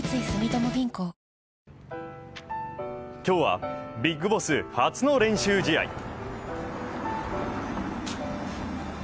ＪＴ今日はビッグボス初の練習試合。